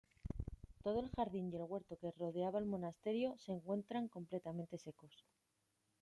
Todo el jardín y el huerto que rodeaba el monasterio se encuentran completamente secos.